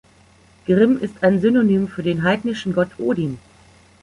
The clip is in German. Grim ist ein Synonym für den heidnischen Gott Odin.